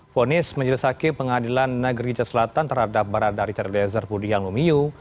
fonis menjelaskan pengadilan negeri jatah selatan terhadap barada richard eliezer budiang lumiyu